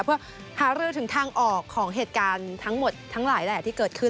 เพื่อหารือถึงทางออกของเหตุการณ์ทั้งหมดทั้งหลายแหละที่เกิดขึ้น